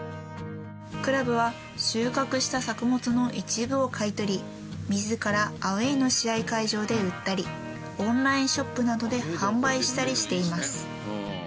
クラブは収穫した作物の一部を買い取り自らアウェイの試合会場で売ったりオンラインショップなどで販売したりしています。